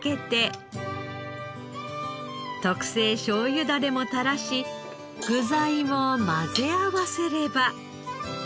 特製しょうゆダレも垂らし具材を混ぜ合わせれば。